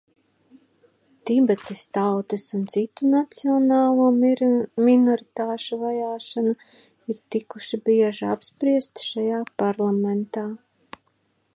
Tibetas tautas un citu nacionālo minoritāšu vajāšana ir tikusi bieži apspriesta šajā Parlamentā.